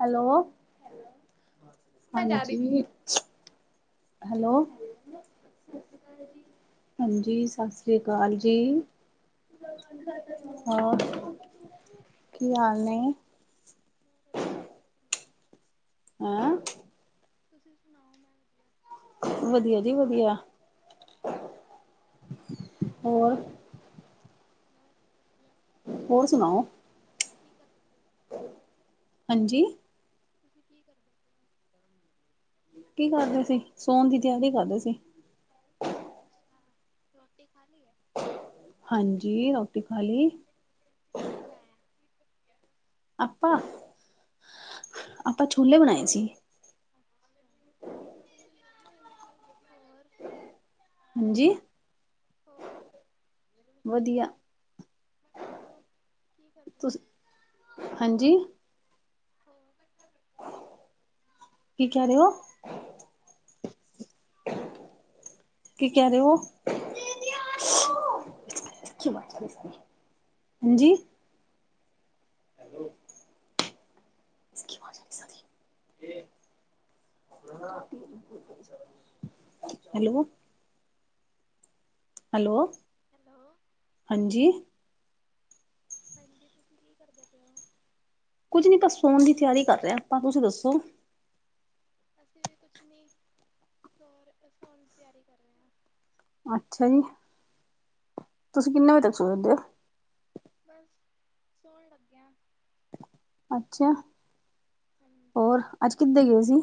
Hello! Hello! ਮੈਂ [unintelligible] ਹਾਂਜੀ hello! ਸਤਿ ਸ਼੍ਰੀ ਅਕਾਲ ਜੀ ਹਾਂਜੀ, ਸਸ ਸ੍ਰੀ ਕਾਲ ਜੀ, ਹੋ ਕੀ ਹਾਲ ਨੇ? ਵਧੀਆ ਤੁਸੀਂ ਸੋ ਐਂ ਤੁਸੀਂ ਸੁਣਾਓ? ਮੈਂ ਵਧੀਆ। ਵਧੀਆ ਜੀ, ਵਧੀਆ, ਹੋਰ ਬਸ ਵਧੀਆ ਹੋਰ ਸੁਣਾਓ? ਕੀ ਕਰਦੇ ਪਿਓ? ਹਾਂਜੀ! ਤੁਸੀਂ ਕੀ ਕਰਦੇ? ਪਏ ਹੋ ਕੀ ਕਰਦੇ ਸੀ, ਸੋਣ ਦੀ ਤਿਆਰੀ ਕਰਦੇ ਸੀ। ਅੱਛਾ ਰੋਟੀ ਖਾਲੀ ਐ? ਹਾਂਜੀ, ਰੋਟੀ ਖਾਲੀ। ਕੀ ਬੁਨਾਇਆ? ਆਪਾਂ, ਆਪਾਂ ਛੋਲੇ ਬਣਾਏ ਸੀ। [unintelligible] ਹੋਰ ਹਾਂਜੀ, ਹੋਰ ਵਧੀਆ। ਕੀ ਕਰਦੇ ਤੁਸ, ਪਏ ਹਾਂਜੀ [unintelligible] ਕੀ ਕੈ ਰੇ ਓ? ਕੀ ਕੈ-ਰੇ-ਓ? ਹਮ। ਹਾਂਜੀ। ਹੈਲੋ [inaudible] ਹੈਲੋ ਹੈਲੋ ਹੈਲੋ ਹਾਂਜੀ। ਹਾਂਜੀ। ਤੁਸੀਂ ਕੀ ਕਰਦੇ ਪਏ ਹੋ? ਕੁੱਝ ਨੀ ਬਸ ਸੋਣ ਦੀ ਤਿਆਰੀ ਕਰ ਰਿਹਾ ਆਪਾਂ ਤੁਸੀਂ ਦੱਸੋ? ਅਸੀਂ ਵੀ ਕੁਛ ਨਹੀਂ, ਔਰ ਸੌਰ ਸੌਉਣ ਦੀ ਤਿਆਰੀ ਕਰ ਰਹੇ ਹਾਂ। ਅੱਛਾ ਜੀ, ਤੁਸੀਂ ਕਿੰਨੇ ਵਜੇ ਤੱਕ ਸੋ ਜਾਂਦੇ ਹੋ? ਬੱਸ ਸੋਣ ਲੱਗੇ ਆ। ਅੱਛਾ। ਹਾਂਜੀ ਹੋਰ ਅੱਜ ਕਿੱਦਾਂ ਗਏ ਸੀਂ।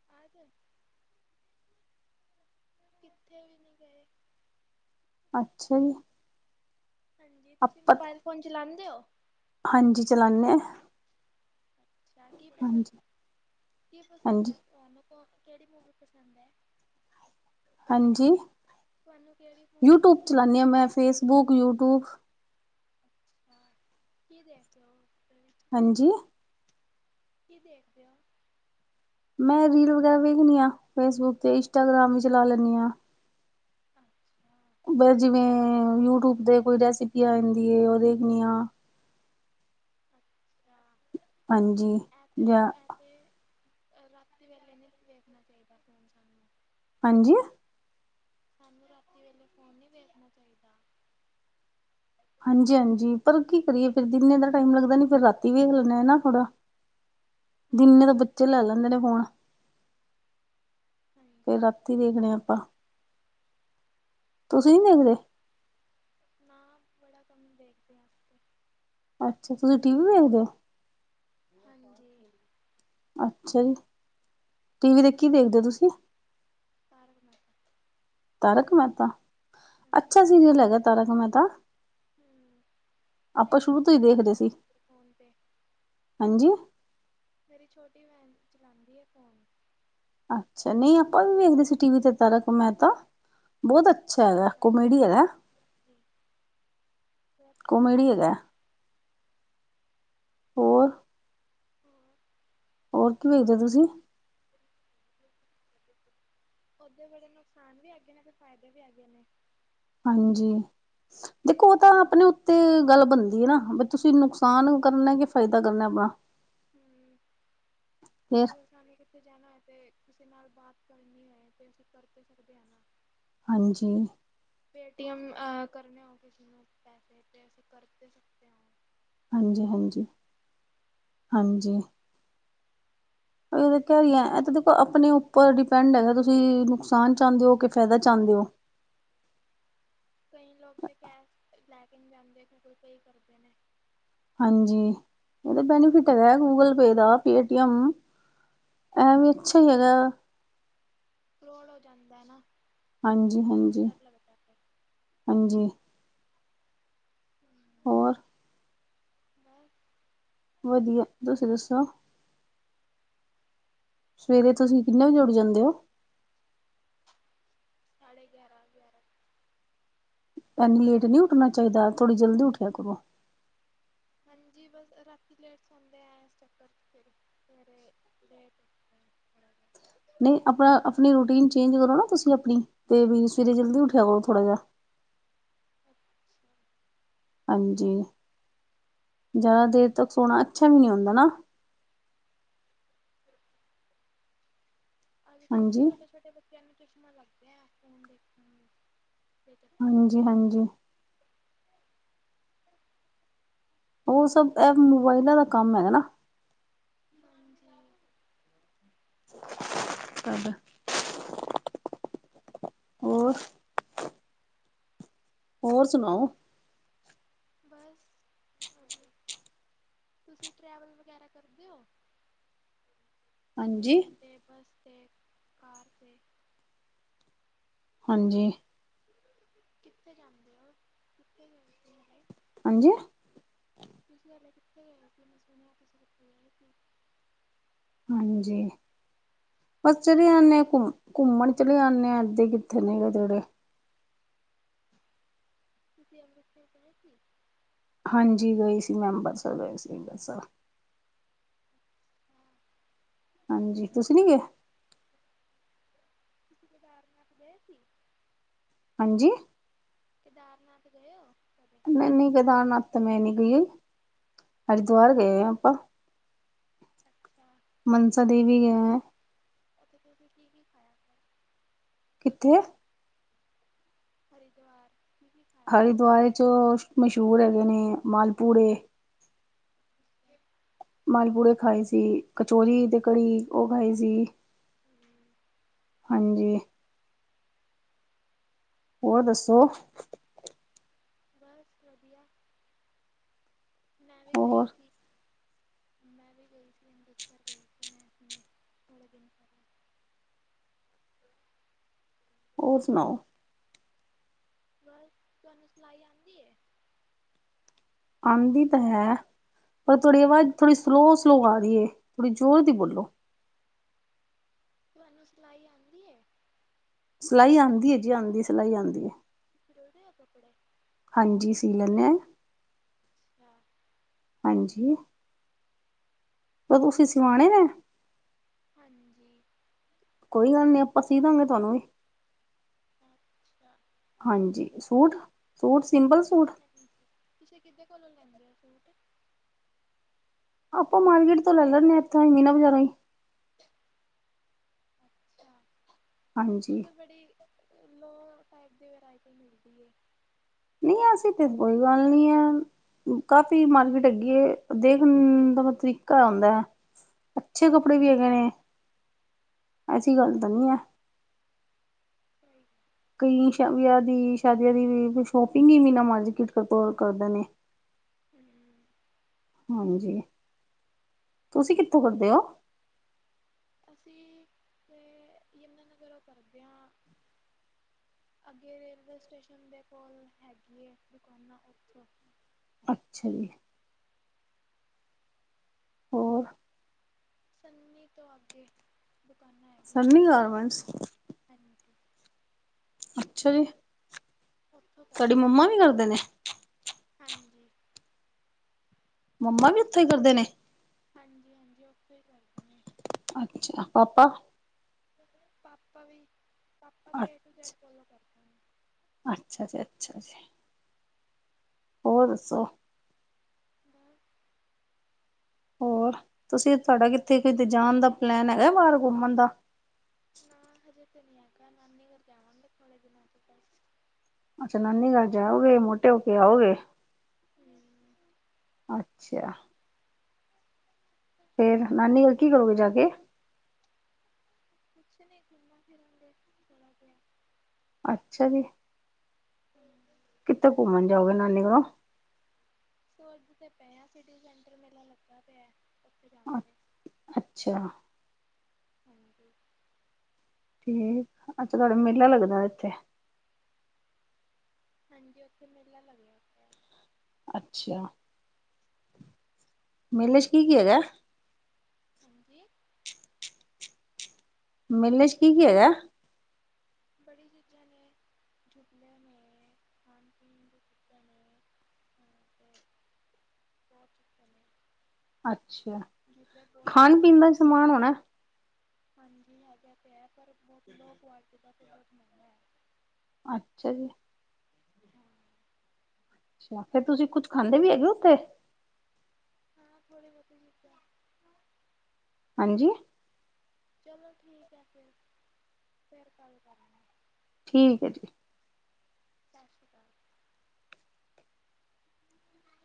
[inaudible] ਕਿੱਥੇ ਵੀ ਨਹੀਂ ਗਏ। ਅੱਛਾ ਜੀ। ਹਾਂਜੀ, ਤੁਸੀਂ ਆਪਾਂ ਮੋਬਾਇਲ ਫੋਨ ਚਲਾਉਂਦੇ ਹੋ? ਹਾਂਜੀ, ਚਲਾਣੇ, ਅ ਕੀ ਪਸੰ, ਕੀ ਪਸੰਦ ਹਾਂਜੀ ਹੈ, ਤੁਹਾਨੂੰ ਕਿਹੜੀ ਮੂਵੀ ਪਸੰਦ ਹੈ? ਹਾਂਜੀ, ਤੁਹਾਨੂੰ ਕਿਹੜੀ ਮੂਵੀ ਯੂਟਿਊਬ ਪਸੰਦ ਚਲਾਣੀ ਹੈ ਹਾਂ ਮੈਂ ਫੇਸਬੁੱਕ, ਯੂਟਿਊਬ, ਹਾਂ ਕੀ ਦੇਖ ਦੇ ਹੋ। ਹਾਂਜੀ। ਕੀ ਦੇਖਦੇ ਹੋ? ਮੈਂ ਰੀਲ ਵਗੈਰਾ ਵੇਖਣੀ ਹਾਂ, ਫੇਸਬੁੱਕ ਤੇ ਇੰਸਟਾਗ੍ਰਾਮ ਵੀ ਚਲਾ ਲੈਂਦੀ ਹਾਂ। ਅੱਛਾ। ਬਸ ਜਿਵੇਂ ਯੂਟਿਊਬ ਤੇ ਕੋਈ ਰੈਸਪੀ ਆ ਜਾਂਦੀ ਹੈ, ਉਹ ਦੇਖਣੀ ਆ। ਹਾਂਜੀ ਹਾਂ, ਜਾਂ ਇਪੇ-ਇਪੇ ਰਾਤੀ ਵੇਲੇ ਨਹੀਂ ਵੇਖਣਾ ਚਾਹੀਦਾ ਫੋਨ ਸਾਨੂੰ। ਹਾਂਜੀ। ਹਾਂਜੀ, ਰਾਤੀ ਵੇਲੇ ਫ਼ੋਨ ਨਹੀਂ ਵੇਖਣਾ ਚਾਹੀਦਾ। ਹਾਂਜੀ-ਹਾਂਜੀ ਪਰ ਕੀ ਕਰੀਏ ਫੇਰ ਦਿਨੇ ਦਾ ਟਾਈਮ ਲੱਗਦਾ ਨੀ ਫੇਰ ਰਾਤੀ ਵੇਖ ਲੈਣੇ ਨਾ ਥੋੜ੍ਹਾ। ਦਿਨੇ ਤਾਂ ਹਾਂਜੀ ਬੱਚੇ ਲੈ ਲੈਂਦੇ ਨੇ ਫੋਨ, ਹਾਂਜੀ ਫੇਰ ਹਾਂਜੀ ਰਾਤੀ ਵੇਖ ਦਿਆ ਆਪਾਂ। ਤੁਸੀਂ ਨੀ ਹਮ ਦੇਖਦੇ? ਨਾ ਬੜਾ ਕੰਮ ਦੇਖਦੇ ਹਾਂ। ਅਸੀਂ ਅੱਛਾ, ਤੁਸੀਂ ਟੀ ਵੀ ਵੇਖਦੇ ਹੋ? ਹਾਂਜੀ। ਅੱਛਾ ਜੀ, ਟੀ ਵੀ ਤੇ ਕੀ ਦੇਖਦੇ ਹੋ ਤੁਸੀਂ, ਤਾਰਕ ਮੈਹਤਾ, ਤਾਰਕ ਮਹਿਤਾ, ਅੱਛਾ ਹਾਂਜੀ ਸੀਰੀਅਲ ਹੈਗਾ ਤਾਰਕ ਮਹਿਤਾ। ਹਮ ਮੇਰੀ ਆਪਾਂ ਸ਼ੁਰੂ ਛੋਟੀ ਤੋਂ ਹੀ ਭੈਣ ਦੇਖਦੇ ਸੀ, ਚਲਾਉਂਦੀ ਹੈ ਫੋਨ ਤੇ ਹਾਂਜੀ। ਮੇਰੀ ਛੋਟੀ ਭੈਣ ਚਲਾਉਂਦੀ ਹੈ ਫੋਨ, ਅੱਛਾ, ਨਹੀ ਆਪਾਂ ਵੀ ਵੇਖਦੇ ਸੀ ਟੀ ਵੀ ਤੈ ਤਾਰਕ ਮਹਿਤਾ। ਬਹੁਤ ਅੱਛਾ ਹੈਗਾ ਕੋਮੇਡੀ ਹੈਗਾ, ਕੋਮੇਡੀ ਹੈਗਾ। ਹੋਰ-ਹੋਰ ਹੋਰ ਕੀ ਵੇਖਦੇ ਹੋ ਤੁਸੀਂ? ਓਦੇ ਬੜੇ ਨੁਕਸਾਨ ਵੀ ਹੈਗੇ ਨੇ ਤੇ ਫਾਇਦੇ ਵੀ ਹੈਗੇ ਨੇ। ਹਾਂਜੀ, ਦੇਖੋ ਉਹ ਤਾਂ ਆਪਣੇ ਉੱਤੇ ਗੱਲ ਬਣਦੀ ਹੈ ਨਾ ਵੀ ਤੁਸੀਂ ਨੁਕ ਨੁਕਸਾਨ ਹਾਂਜੀ ਕਰਨਾ ਕਿ ਫਾਇਦਾ ਕਰਨਾ ਆਪਣਾ, ਤੇ। ਕਿਸ ਨੇ ਕਿੱਥੇ ਜਾਣਾ ਹੈ ਤੇ ਕਿਸੇ ਨਾਲ ਬਾਤ ਕਰਨੀ ਹੈ ਤੇ ਅਸੀਂ ਕਰ ਸਕਦੇ ਹਾਂ ਨਾ। ਹਾਂਜੀ। ਪੇਟੀਐਮ ਅ ਕਰਨੇ ਹੋ ਕਿਸੇ ਨੂੰ ਪੈਸੇ ਤੇ ਅਸੀਂ ਕਰ ਦੇ ਸਕਦੇ ਹਾਂ। ਹਾਂਜੀ-ਹਾਂਜੀ, ਹਾਂਜੀ। ਇਹ ਤਾਂ ਕਿਆ ਹੀ ਹੈ ਇਹ ਤਾਂ ਦੇਖੋ ਆਪਣੇ ਉੱਪਰ ਡਿਪੈਂਡ ਹੈਗਾ ਤੁਸੀਂ ਨੁਕਸਾਨ ਚਾਹੁੰਦੇ ਹੋ ਕਿ ਫਾਇਦਾ ਚਾਹੁੰਦੇ ਹੋ। ਕਈ ਲੋਕ ਤੇ ਕੈਸ ਲੈਕੇ ਨੀ ਜਾਦੇ ਫੇਰ ਗੁਗਲ ਪੇ ਕਰਦੇ ਨੇ। ਹਾਂਜੀ, ਇਹਦਾ ਬੈਨੀਫਿਟ ਹੈਗਾ ਗੂਗਲ ਪੇ ਦਾ ਪੇਟੀਐਮ, ਐ ਵੀ ਅੱਛਾ ਹੀ ਹੈਗਾ। ਫਰੌਡ ਹੋ ਜਾਂਦਾ ਨਾ। ਇਸ ਕਰਕੇ ਹਾਂਜੀ-ਹਾਂਜੀ, ਡਰ ਲੱਗਦਾ ਫਿਰ ਹਾਂਜੀ। ਹੋਰ, ਵਾਹ, ਵਧੀਆ ਤੁਸੀਂ ਦੱਸੋ? ਸਵੇਰੇ ਤੁਸੀਂ ਕਿੰਨੇ ਵਜੇ ਉੱਠ ਜਾਂਦੇ ਹੋ? ਸਾਢੇ ਗਿਆਰਾਂ- ਗਿਆਰਾਂ। ਇਨੀ ਉੱਠ ਲੇਟ ਜਾ ਨਹੀਂ ਉੱਠਣਾ ਚਾਹੀਦਾ, ਥੋੜ੍ਹੀ ਜਲਦੀ ਉਠਿਆ ਕਰੋ। ਹਾਂਜੀ, ਬਸ ਰਾਤੀ ਲੇਟ ਸੌਦੇ ਆ, ਇਸ ਚੱਕਰ ਚ ਫਿਰ ਸਵੇਰੇ ਲੇਟ ਨਹੀਂ ਆਪਣਾ ਆਪਣੀ ਰੂਟੀਨ ਚੇਂਜ ਕਰੋ ਨਾ ਤੁਸੀਂ ਆਪਣੀ, ਤੇ ਵੀ ਸਵੇਰੇ ਜਲਦੀ ਉੱਠਿਆ ਕਰੋ ਥੋੜ੍ਹਾ ਜਿਹਾ। ਅੱਛਾ। ਹਾਂਜੀ, ਜ਼ਿਆਦਾ ਦੇਰ ਤੱਕ ਸੋਣਾ ਅੱਛਾ ਵੀ ਨਹੀਂ ਹੁੰਦਾ ਨਾ। ਅੱਜ ਕੱਲ੍ਹ ਤਾਂ ਹਾਂਜੀ ਛੋਟੇ -ਛੋਟੇ ਬੱਚਿਆਂ ਨੂੰ ਚੁਸ਼ਮਾ ਲੱਗ ਗਿਆ, ਫੋਨ ਦੇਖਣ ਨੂੰ। ਹਾਂਜੀ -ਹਾਂਜੀ! ਉਹ ਸਭ ਇਹ ਮੋਬਾਇਲਾਂ ਦਾ ਕੰਮ ਹੈਗਾ ਨਾ। ਹਾਂਜੀ। ਸਬ। ਹੋਰ ਹੋਰ ਸੁਣਾਓ? ਬਸ ਹੋਗਿਆ। ਤੁਸੀਂ ਟਰੈਵਲ ਵਗੈਰਾ ਕਰਦੇ ਹੋ? ਹਾਂਜੀ ਟ੍ਰੇਨ ਤੇ, ਬੱਸ ਤੇ, ਕਾਰ ਤੇ,। ਹਾਂਜੀ। ਕਿੱਥੇ ਜਾਂਦੇ ਹੋ? ਕਿੱਥੇ ਜਾਂਦੇ ਹੈ? ਹਾਂਜੀ। ਤੁਸੀਂ ਕੱਲ ਕਿੱਥੇ ਗਏ ਸੀ? ਮੈਂ ਸੁਣਿਆ ਤੁਸੀ ਹਾਂਜੀ, ਬਸ ਕਿੱਥੇ ਚੜੀ ਗਏ ਆਦੇ ਆ ਸੀ ਘੁੰਮ ਘੁੰਮਣ ਚਲੇ ਜਾਂਦੇ ਹਾਂ ਇਥੇ ਕਿੱਥੇ ਨੇੜੇ ਤੇੜੇ। ਤੁਸੀਂ ਅੰਮ੍ਰਿਤਸਰ ਗਏ ਸੀ? ਹਾਂਜੀ ਗਈ ਸੀ ਮੈਂ ਅੰਬਰਸਰ ਗਏ ਸੀ ਅਬੰਰਸਰ। ਹਾਂ ਹਾਂਜੀ, ਤੁਸੀਂ ਨੀ ਗਏ? ਕਦੀਕੇਦਾਰ। ਰਾਤੀਂ ਗਏ ਸੀ? ਹਾਂਜੀ। ਕੇਦਾਰਨਾਥ ਗਏ ਓ? ਮੈ ਨੀ ਕਿਦਾਰਨਾਥ ਤਾਂ ਮੈਂ ਨੀ ਗਈ, ਹਰਿਦੁਆਰ ਗਏ ਆ ਆਪਾਂ। ਅੱਛਾ ਅੱਛਾ ਮਨਸਾ ਦੇਵੀ ਗਏ ਆ। ਅਤੇ ਤੁਸੀਂ ਕੀ -ਕੀ ਖਾਇਆ? ਕਿੱਥੇ? ਹਰਿਦੁਵਾਰ। ਹਰਿਦੁਆਰੇ 'ਚ ਮਸ਼ਹੂਰ ਹੈਗੇ ਨੇ ਮਾਲਪੂੜੇ। ਹ ਮਾਲਪੂੜੇ ਖਾਏ ਸੀ, ਕਚੋਰੀ ਤੇ ਕੜੀ ਉਹ ਖਾਈ ਸੀ। ਹਮ ਹਾਂਜੀ। ਹੋਰ ਦੱਸੋ? ਬਸ ਵਧੀਆ। ਮੈਂ ਵੀ ਗਈ ਹੋਰ ਸੀ। ਮੈਂ ਵੀ ਗਈ ਸੀ ਅੰਮ੍ਰਿਤ ਸਰ ਗਈ ਸੀ, ਮੈਂ ਆਪਣੇ ਥੋੜੇ ਦਿਨ ਹੋਰ ਸੁਣਾਓ? ਬਸ ਤੁਹਾਨੂੰ ਸਿਲਾਈ ਆਉਂਦੀ ਏ? ਆਂਦੀ ਤਾਂ ਹੈ ਪਰ ਤੋਡੀ ਆਵਾਜ਼ ਥੋੜ੍ਹੀ ਸਲੋਅ ਸਲੋ ਆ ਰਹੀ ਏ ਥੋੜ੍ਹੀ ਜ਼ੋਰ ਦੀ ਬੋਲੋ ਤੁਹਾਨੂੰ ਸਿਲਾਈ ਆਂਦੀ ਏ ਸਿਲਾਈ ਆਂਦੀ ਏ ਜੀ ਆਂਦੀ ਸਿਲਾਈ ਆਂਦੀ ਏ ਸਿਉਂਦੇ ਆ ਕੱਪੜੇ ਹਾਂਜੀ ਸੀ ਲੈਂਨੇ ਆ ਹਾਂ ਹਾਂਜੀ ਤਾਂ ਤੁਸੀਂ ਸਿਵਾਣੇ ਨੇ ਹਾਂਜੀ ਕੋਈ ਗੱਲ ਨੀ ਆਪਾਂ ਸੀਦਾਂਗੇ ਤਾਨੂੰ ਵੀ ਠੀਕ ਆ ਹਾਂਜੀ ਸੂਟ, ਸੂਟ ਸਿੰਪਲ ਸੂਟ ਤੁਸੀਂ ਕਿਦੇ ਕੋਲੋਂ ਲੈਂਦੇ ਓ ਸੂਟ ਆਪਾਂ ਮਾਰਕੀਟ ਤੋਂ ਲੈ ਲੈਂਨੇ ਆ, ਇੱਥੋ ਈ ਮੀਨਾ ਬਾਜ਼ਾਰੋ ਈ ਉੱਥੋਂ ਹਾਂਜੀ ਤਾਂ ਬੜੀ ਲੋਅ ਟਾਈਪ ਦੀ ਵਰਾਇਟੀ ਮਿਲਦੀ ਏ ਨਹੀਂ ਐਸੀ ਤਾਂ ਕੋਈ ਗੱਲ ਨੀ ਆ ਕਾਫੀ ਮਾਰਕੀਟ ਅੱਗੇ ਦੇਖਣ ਦਾ ਬਸ ਤਰੀਕਾ ਹੁੰਦਾ ਆ ਅੱਛੇ ਕੱਪੜੇ ਵੀ ਹਮ ਹੈਗੇ ਨੇ ਐਸੀ ਗੱਲ ਤਾਂ ਨੀ ਆ ਸਹੀ ਕਈ ਸ਼ ਵਿਆਹ ਦੀ ਸ਼ਾਦੀਆਂ ਦੀ ਵੀ ਸ਼ੋਪਿੰਗ ਵੀ ਮੀਨਾਂ ਮਰਕਿਟ ਤੋਂ ਕਰਦੇ ਨੇ ਹੂੰ ਹਾਂਜੀ ਤੁਸੀਂ ਕਿੱਥੋਂ ਕਰਦੇ ਓ ਅਸੀਂ ਤੇ ਯਮਨਾ ਨਗਰੋਂ ਕਰਦੇ ਆ ਅੱਗੇ ਰੇਲਵੇ ਸਟੇਸ਼ਨ ਦੇ ਕੋਲ ਹੈਗੀ ਏ ਦੁਕਾਨਾਂ ਉੱਥੋਂ ਅੱਛਾ ਜੀ ਹੋਰ ਸੰਨੀ ਤੋਂ ਅੱਗੇ ਦੁਕਾਨਾਂ ਹੈਗੀਆਂ ਸਨੀ ਨੇ, ਗਾਰਮੈਂਟਸ ਹਾਂਜੀ ਅੱਛਾ ਜੀ ਉੱਥੋਂ ਤੁਹਾਡੀ ਕਰਦੇ, ਮੰਮਾ ਵੀ ਕਰਦੇ ਨੇ ਹਾਂਜੀ ਮੰਮਾ ਵੀ ਉੱਥੇ ਈ ਕਰਦੇ ਨੇ ਹਾਂਜੀ ਹਾਂਜੀ ਉਥੋਂ ਈ ਕਰਦੇ ਨੇ ਅੱਛਾ, ਪਾਪਾ ਪਾਪਾ ਵੀ, ਪਾਪਾ ਤੇ ਏ ਟੂ ਜੈਡ ਫੋਲੋ ਕਰਦੇ ਨੇ ਅੱਛਾ ਜੀ ਅੱਛਾ ਜੀ ਹੋਰ ਦੱਸੋ ਹੂੰ ਹੋਰ ਤੁਸੀਂ ਤੁਹਾਡਾ ਕਿੱਥੇ ਕਿਤੇ ਜਾਣ ਦਾ ਪਲੈਨ ਹੈਗਾ ਬਾਹਰ ਘੁੰਮਨ ਦਾ ਨਾ ਹਜੇ ਤੇ ਨੀ ਹੈਗਾ ਨਾਨੀ ਕਰ ਜਾਵਾਂਗੇ ਥੋੜੇ ਦਿਨਾਂ ਬਾਦ ਅੱਛਾ ਨਾਨੀ ਗਰ ਜਾਓਗੇ ਮੋਟੇ ਹੋ ਕੇ ਆਓਗੇ ਹੂੰ ਅੱਛਾ ਫੇਰ ਨਾਨੀ ਗਰ ਕੀ ਕਰੋਗੇ ਜਾ ਕੇ ਕੁਛ ਨਹੀਂ ਘੁੰਮਾ ਫਿਰਾ ਗੇ ਥੋੜਾ ਜੇਹਾ ਅੱਛਾ ਜੀ ਕਿੱਥੇ ਘੁੰਮਣ ਜਾਓਗੇ ਨਾਨੀ ਗਰੋ ਸੋਚਦੇ ਦੇ ਪਏ ਆ ਸਿਟੀ ਸੈਂਟਰ ਮੇਲਾ ਲੱਗਾ ਪਿਆ ਓਥੇ ਜਾਵਾਗੇਂ। ਅੱਛਾ। ਹਾਂਜੀ। ਠੀਕ, ਅੱਛਾ ਤੁਹਾਡਾ ਮੇਲਾ ਲੱਗਦਾ ਇੱਥੇ। ਹਾਂਜੀ ਉਥੇ ਮੇਲਾ ਲੱਗਦਾ। ਅੱਛਾ। ਮੇਲੇ 'ਚ ਕੀ-ਕੀ ਹੈਗਾ? ਹਾਂਜੀ। ਮੇਲੇ 'ਚ ਕੀ-ਕੀ ਹੈਗਾ? ਬੜੀ ਚੀਜ਼ਾਂ ਨੇ ਝੁਬਲਿਆਂ, ਨੇ ਖਾਣ ਪੀਣ ਦੀ ਚੀਜ਼ਾਂ ਨੇ। ਤੇ ਬਹੁਤ ਚੁੱਕੇ ਨੇ ਅੱਛਾ, ਜੂਲਰ ਬਹੁਤ ਮਹਿੰਗੇ ਖਾਣ-ਪੀਣ ਦਾ ਨੇ ਸਮਾਨ ਹੋਣਾ। ਹਾਂਜੀ ਹੈਗਾ ਤੇ ਹੈ ਪਰ ਬਹੁਤ ਲੋਅ ਕੁਆਲਿਟੀ ਦਾ [unintelligible] ਮਿਲਦਾ। ਅੱਛਾ ਜੀ। ਹਾਂ। ਅੱਛਾ ਫੇਰ ਤੁਸੀਂ ਕੁੱਝ ਖਾਂਦੇ ਵੀ ਹੈਗੇ ਓ ਉਥੇ। ਹਾਂ ਥੋੜੀ ਬਹੁਤੀ ਚੀਜਾਂ। ਹਾਂਜੀ ਚਲੋ ਠੀਕ ਹੈ ਫੇਰ, ਫੇਰ ਗੱਲ ਕਰਾਗੇ। ਠੀਕ ਏ ਜੀ। ਸਾਸਰੀ ਕਾਲ। [inaudible]